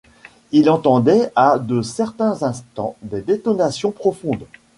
Il entendait à de certains instants des détonations profondes.